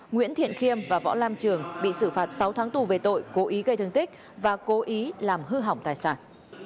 nguyễn thiện khiêm và võ lam trường bị xử phạt sáu tháng tù về tội cố ý gây thương tích và cố ý làm hư hỏng tài sản